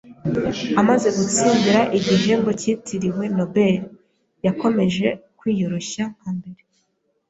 Amaze gutsindira igihembo cyitiriwe Nobel, yakomeje kwiyoroshya nka mbere.